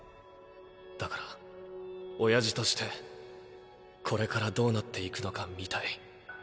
だから親父としてこれからどうなっていくのか見たい。